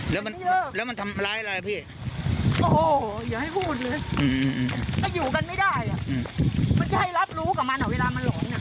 ถือไม้หลอกบ้านเพราะอยู่กันมีแต่เด็กเด็กมีแต่ผู้หญิง